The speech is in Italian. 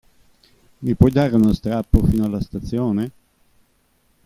Mi puoi dare uno strappo fino alla stazione?